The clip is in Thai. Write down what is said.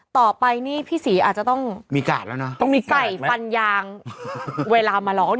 ต่อไปนี่พี่ศรีอาจจะต้องใส่ฟันยางเวลามาร้อง